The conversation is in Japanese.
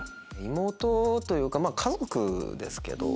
妹というか家族ですけど。